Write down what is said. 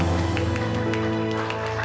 adoption malah lebih campur